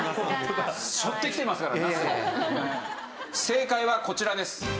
正解はこちらです。